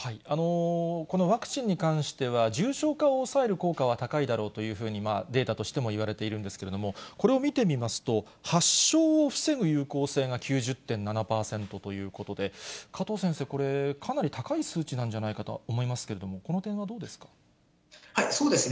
このワクチンに関しては、重症化を抑える効果は高いだろうというふうに、データとしてもいわれているんですけれども、これを見てみますと、発症を防ぐ有効性が９０．７％ということで、加藤先生、これ、かなり高い数値なんじゃないかと思いますけれども、この点はどうそうですね。